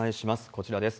こちらです。